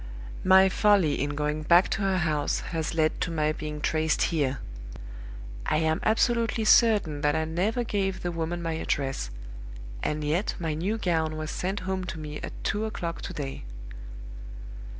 My folly in going back to her house has led to my being traced here. I am absolutely certain that I never gave the woman my address; and yet my new gown was sent home to me at two o'clock to day!